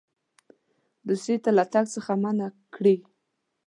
روسیې ته له تګ څخه منع کړي.